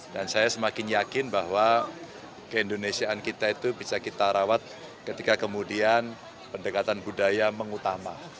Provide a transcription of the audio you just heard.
dan saya semakin yakin bahwa keindonesiaan kita itu bisa kita rawat ketika kemudian pendekatan budaya mengutama